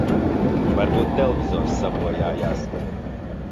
Varbūt televizors sabojājās.